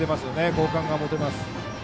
好感が持てます。